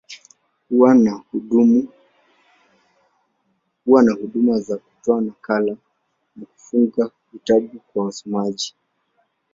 Huwa na huduma za kutoa nakala, na kufunga vitabu kwa wasomaji.